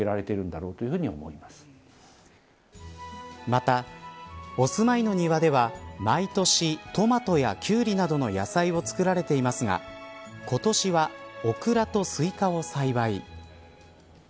また、お住まいの庭では毎年、トマトやキュウリなどの野菜を作られていますが今年はオクラとスイカを栽培。